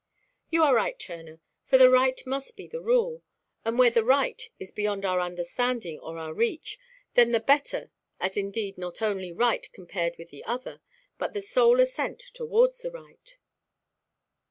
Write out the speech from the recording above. "You are right, Turner. For the right must be the rule, and where the right is beyond our understanding or our reach, then the better, as indeed not only right compared with the other, but the sole ascent towards the right."